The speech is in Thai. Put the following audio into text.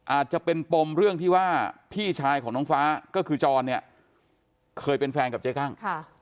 อาจจะเป็นปมเรื่องที่ว่าพี่ชายของน้องฟ้าก็คือจรเนี่ยเคยเป็นแฟนกับเจ๊กั้ง